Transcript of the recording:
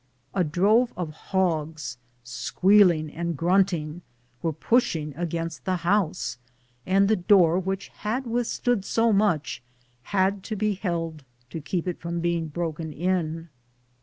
A drove of hogs, squealing and grunting, were push ing against the house, and the door which had with stood so much had to be held to keep it from being broken in.